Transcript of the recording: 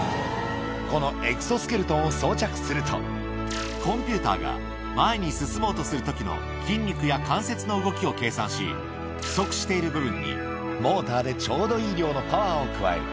このエクソスケルトンを装着すると、コンピューターが前に進もうとするときの筋肉や関節の動きを計算し、不足している部分にモーターでちょうどいい量のパワーを加える。